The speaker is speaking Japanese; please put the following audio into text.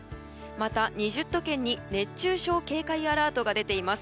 また、２０都県に熱中症警戒アラートが出ています。